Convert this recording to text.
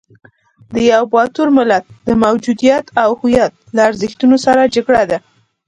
د یوه باتور ملت د موجودیت او هویت له ارزښتونو سره جګړه ده.